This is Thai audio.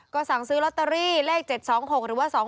ก็สั่งซื้อลอตเตอรี่เลข๗๒๖หรือว่า๒๕๖